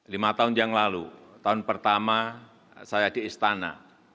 lima tahun yang lalu tahun pertama saya di istana